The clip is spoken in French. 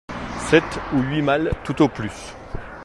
Sept ou huit malles, tout au plus.